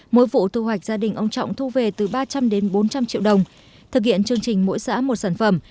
mỗi vụ thu hoạch gia đình ông trọng thu về từ ba trăm linh đến bốn trăm linh triệu đồng thực hiện chương trình mỗi xã một sản phẩm